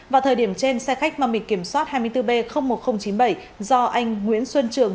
vào thời điểm trên xe khách mang bị kiểm soát hai mươi bốn b một nghìn chín mươi bảy do anh nguyễn xuân trường